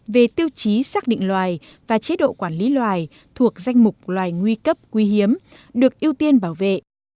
về tiêu chí xác định loài và chế độ quản lý loài thuộc danh mục loài nguy cấp quý hiếm được ưu tiên bảo vệ